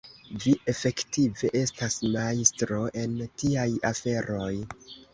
Vi, efektive, estas majstro en tiaj aferoj.